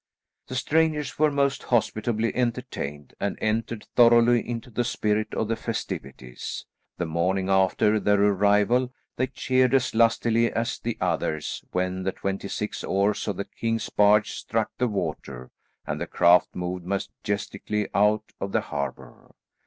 The strangers were most hospitably entertained and entered thoroughly into the spirit of the festivities. The morning after their arrival they cheered as lustily as the others when the twenty six oars of the king's barge struck the water and the craft moved majestically out of the harbour.